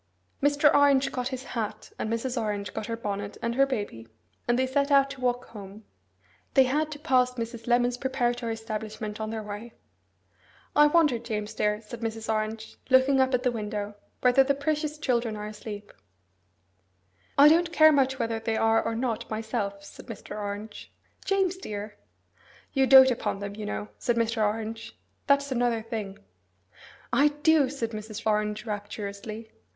Mr. Orange got his hat, and Mrs. Orange got her bonnet and her baby, and they set out to walk home. They had to pass Mrs. Lemon's preparatory establishment on their way. 'I wonder, James dear,' said Mrs. Orange, looking up at the window, 'whether the precious children are asleep!' 'I don't care much whether they are or not, myself,' said Mr. Orange. 'James dear!' 'You dote upon them, you know,' said Mr. Orange. 'That's another thing.' 'I do,' said Mrs. Orange rapturously.